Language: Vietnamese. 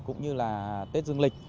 cũng như là tết dương lịch